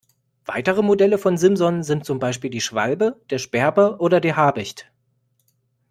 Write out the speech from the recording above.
Weitere Modelle von Simson sind zum Beispiel die Schwalbe, der Sperber oder der Habicht.